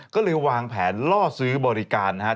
ก็เลยวางแผนล่อซื้อบริการนะครับ